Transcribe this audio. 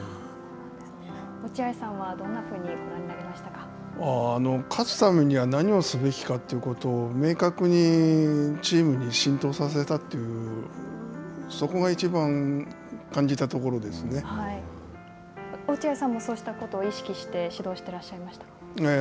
落合さんはどんなふうにご覧に勝つためには何をすべきかということを明確にチームに浸透させたっていうそこが一番落合さんもそうしたことを意識して指導していらっしゃいましたか。